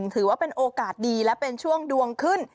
ถือว่าเป็นโอกาสดีและเป็นช่วงดวงขึ้น